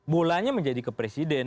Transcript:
mulanya menjadi kepresiden